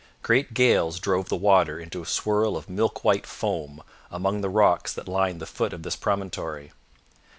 Great gales drove the water in a swirl of milk white foam among the rocks that line the foot of this promontory.